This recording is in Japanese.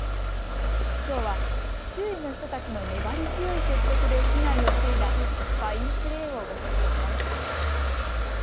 きょうは周囲の人たちの粘り強い説得で被害を防いだファインプレーをご紹介します。